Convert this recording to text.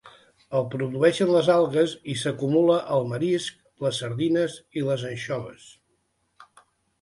El produeixen les algues i s'acumula al marisc, les sardines i les anxoves.